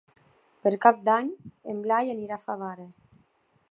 Per Cap d'Any en Blai irà a Favara.